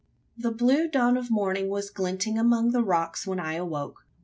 The blue dawn of morning was glinting among the rocks when I awoke.